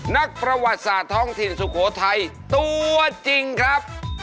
นักประวัติศาสตร์ท้องถิ่นสุโขทัยตัวจริงครับ